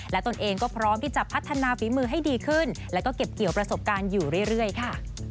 และตนเองก็พร้อมที่จะพัฒนาฝีมือให้ดีขึ้นแล้วก็เก็บเกี่ยวประสบการณ์อยู่เรื่อยค่ะ